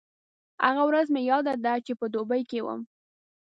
هغه ورځ مې یاده ده چې په دوبۍ کې وم.